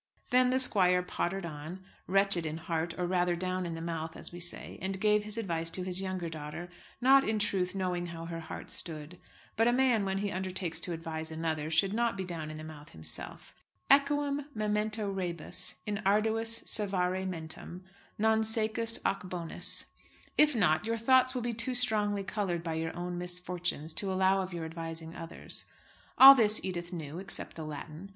Then the squire pottered on, wretched in heart; or, rather, down in the mouth, as we say, and gave his advice to his younger daughter, not, in truth, knowing how her heart stood. But a man, when he undertakes to advise another, should not be down in the mouth himself. Equam memento rebus in arduis servare mentem, non secus ac bonis. If not, your thoughts will be too strongly coloured by your own misfortunes to allow of your advising others. All this Edith knew, except the Latin.